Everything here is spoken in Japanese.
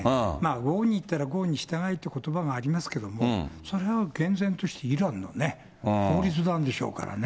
郷に入ったら郷に従えということばありますけれども、それを厳然としているイランのね、法律なんでしょうからね。